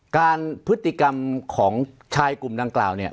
การพฤติกรรมของชายกลุ่มดังกล่าวเนี่ย